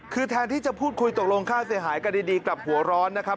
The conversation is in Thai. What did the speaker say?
คือแทนที่จะพูดคุยตกลงค่าเสียหายกันดีกลับหัวร้อนนะครับ